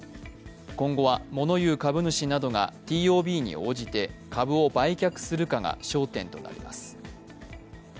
今後は物言う株主などがＴＯＢに応じて株を売却するかが焦点となります。